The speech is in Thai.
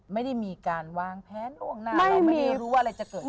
ไม่ได้มีการวางแผนไม่รู้ว่าอะไรจะเกิดขึ้น